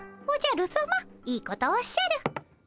おじゃるさまいいことおっしゃる。